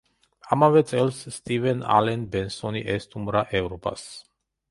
ამავე წელს სტივენ ალენ ბენსონი ესტუმრა ევროპას.